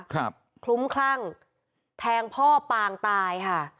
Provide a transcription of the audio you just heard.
คลุ้มคลั่งแทงพ่อปางตายค่ะ